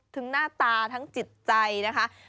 หน้าตาทั้งจิตใจนะคะ